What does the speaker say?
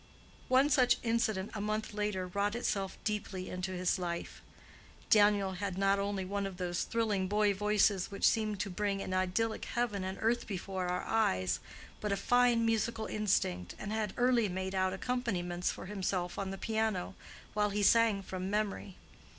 One such incident a month later wrought itself deeply into his life. Daniel had not only one of those thrilling boy voices which seem to bring an idyllic heaven and earth before our eyes, but a fine musical instinct, and had early made out accompaniments for himself on the piano, while he sang from memory.